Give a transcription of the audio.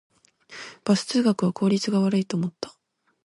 バス通学は効率が悪いと思った